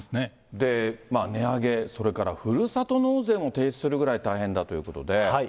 で、値上げ、それからふるさと納税も停止するくらい大変だということで。